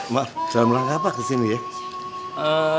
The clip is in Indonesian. mak selama berangkat apa ke sini ya